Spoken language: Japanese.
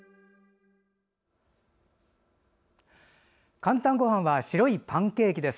「かんたんごはん」は白いパンケーキです。